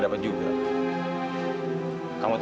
apa ya jelek tau